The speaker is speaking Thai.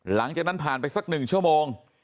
หลังจากนั้นผ่านไปสัก๑ชั่วโมง